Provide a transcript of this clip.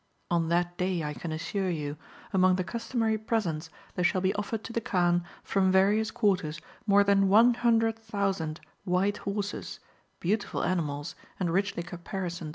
On that day, I can assure you, among the customary presents there shall be offered to the Kaan from various quarters more than 100,000 white horses, beautiful animals, and richly caparisoned.